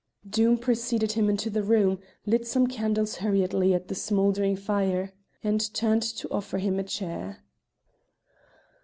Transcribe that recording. Doom preceded him into the room, lit some candles hurriedly at the smouldering fire, and turned to offer him a chair.